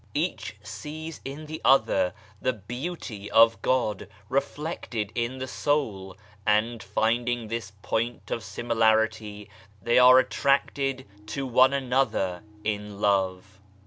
Each sees in the other the Beauty of God reflected in the soul, and finding this point of similarity, they are attracted to one another in love.